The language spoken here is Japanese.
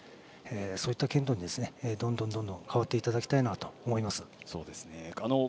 そういった剣道に、どんどん変わっていただきたいと思います。